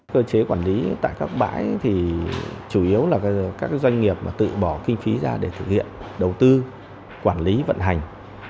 cơ chế quản lý tại các bãi thì chủ yếu là các doanh nghiệp mà tự bỏ kinh phí ra để thực hiện đầu tư quản lý vận hành